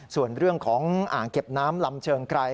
ส่วนเรื่องของอ่างเก็บน้ำลำเชิงไกร